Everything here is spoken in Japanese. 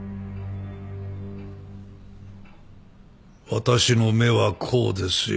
私の目はこうですよ。